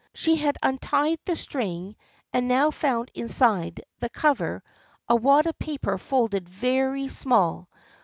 She had untied the string and now found inside the cover a wad of paper folded very small.